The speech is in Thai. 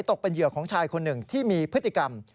ตกเป็นเหยื่อของชายคนหนึ่งที่มีพฤติกรรม